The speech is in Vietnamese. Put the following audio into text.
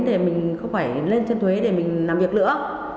để mình không phải lên trên thuế để mình làm việc nữa